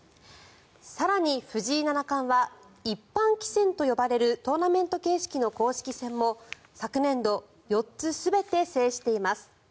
更に藤井七冠は一般棋戦と呼ばれるトーナメント形式の公式戦も昨年度、４つ全て制しています。